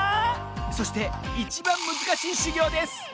そしていちばんむずかしいしゅぎょうです